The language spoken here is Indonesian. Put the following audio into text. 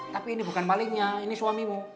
tapi ini bukan maliknya ini suamimu